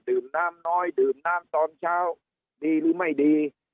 น้ำน้อยดื่มน้ำตอนเช้าดีหรือไม่ดี